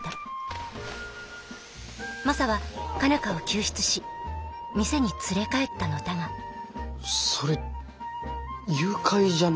マサは佳奈花を救出し店に連れ帰ったのだがそれ誘拐じゃね？